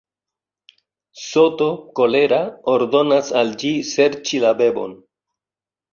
Soto, kolera, ordonas al ĝi serĉi la bebon.